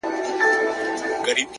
• دواړه لاسه يې کړل لپه ـ